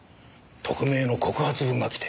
匿名の告発文が来て。